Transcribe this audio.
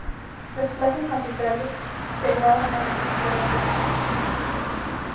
Las clases magistrales se graban en las escuelas de música.